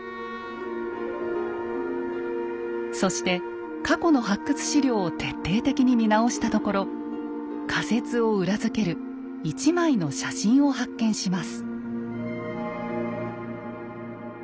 そして過去の発掘資料を徹底的に見直したところ仮説を裏付ける一枚の写真を発見します。